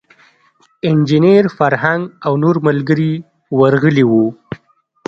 انجینیر فرهنګ او نور ملګري ورغلي وو.